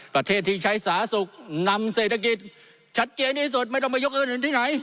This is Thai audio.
ประเทศที่ใช้สาสุขนำเศรษฐกิจชัดเกณฑ์ที่สุดไม่ต้องไปยกเอิ้นหรือที่ไหน